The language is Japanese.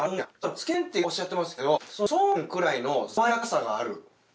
つけ麺っておっしゃってましたけどそうめんくらいの爽やかさがある。